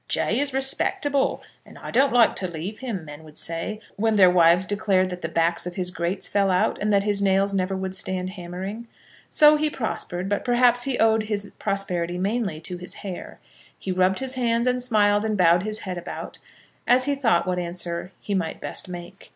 "Jay is respectable, and I don't like to leave him," men would say, when their wives declared that the backs of his grates fell out, and that his nails never would stand hammering. So he prospered; but, perhaps, he owed his prosperity mainly to his hair. He rubbed his hands, and smiled, and bowed his head about, as he thought what answer he might best make.